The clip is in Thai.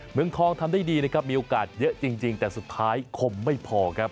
เมืองทองทำได้ดีนะครับมีโอกาสเยอะจริงแต่สุดท้ายคมไม่พอครับ